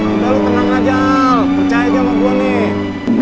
udah lu tenang aja al percaya aja sama gua nih